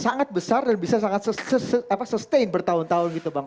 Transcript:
sangat besar dan bisa sangat sustain bertahun tahun gitu bang